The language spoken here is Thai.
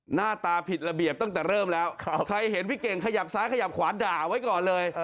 หน้าตาผิดระเบียบตั้งแต่เริ่มแล้วใครเห็นพี่เก่งขยับซ้ายขยับขวาด่าไว้ก่อนเลย